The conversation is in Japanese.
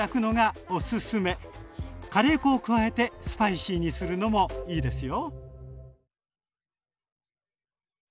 カレー粉を加えてスパイシーにするのもいいですよ。